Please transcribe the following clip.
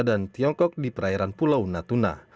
dan tiongkok di perairan pulau natuna